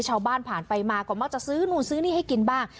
ชาวบ้านผ่านไปมาก็มักจะซื้อนู่นซื้อนี่ให้กินบ้าง